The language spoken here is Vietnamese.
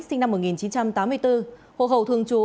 sinh năm một nghìn chín trăm tám mươi bốn hộ khẩu thường trú